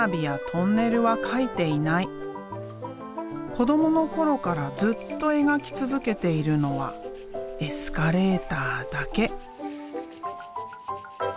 子どもの頃からずっと描き続けているのはエスカレーターだけ。